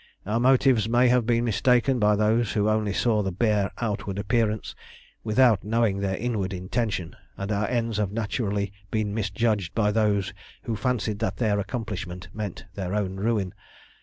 Our motives may have been mistaken by those who only saw the bare outward appearance without knowing their inward intention, and our ends have naturally been misjudged by those who fancied that their accomplishment meant their own ruin.